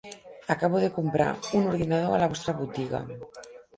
Acabo de comprar un ordinador a la vostra botiga.